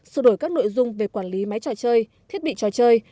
sửa đổi các nội dung về quản lý máy trò chơi thiết bị trò chơi